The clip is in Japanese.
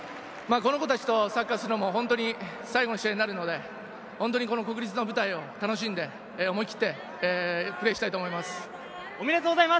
この子達とサッカーをするのも本当に最後の試合になるので、国立の舞台を楽しんで、思い切ってプレーしたいと思います。